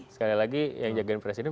sekali lagi yang jagain presiden